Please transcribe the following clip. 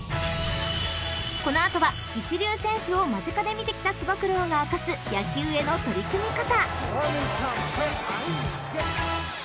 ［この後は一流選手を間近で見てきたつば九郎が明かす野球への取り組み方］